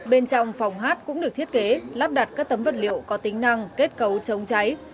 bên trong phòng hát cũng được thiết kế lắp đặt các tấm vật liệu có tính năng kết cấu chống cháy